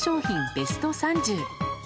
ベスト３０。